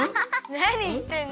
なにしてんの？